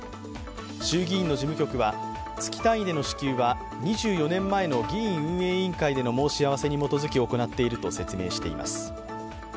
衆議院の事務局は月単位での支給は２４年前の議院運営委員会での申し合わせに基づき行っていると説明しています。